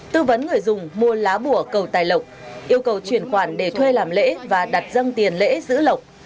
tư vấn người dùng mua lá bùa cầu tài lộc yêu cầu chuyển khoản để thuê làm lễ và đặt dân tiền lễ giữ lộc